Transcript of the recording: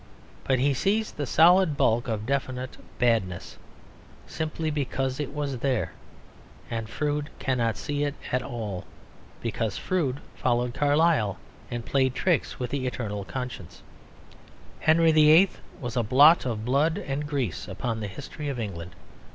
But he sees the solid bulk of definite badness simply because it was there; and Froude cannot see it at all; because Froude followed Carlyle and played tricks with the eternal conscience. Henry VIII. was "a blot of blood and grease upon the history of England."